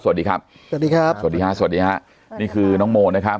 สวัสดีครับสวัสดีครับสวัสดีฮะสวัสดีฮะนี่คือน้องโมนะครับ